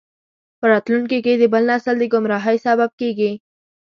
په راتلونکي کې د بل نسل د ګمراهۍ سبب کیږي.